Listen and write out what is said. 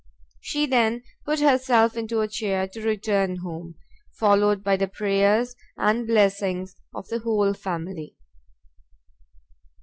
She then put herself into a chair to return home, followed by the prayers and blessings of the whole family.